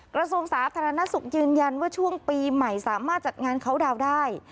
กระทรวงสาธารณสุขยืนยันว่าช่วงปีใหม่สามารถจัดงานเขาดาวน์ได้